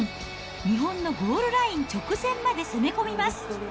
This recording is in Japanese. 日本のゴールライン直前まで攻め込みます。